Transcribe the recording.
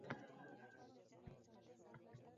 Shu bilan gap tamom bo‘ladi.